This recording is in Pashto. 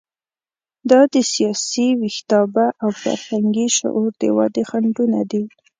دا د سیاسي ویښتیابه او فرهنګي شعور د ودې خنډونه دي.